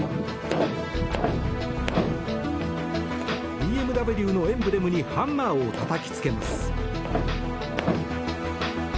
ＢＭＷのエンブレムにハンマーをたたきつけます。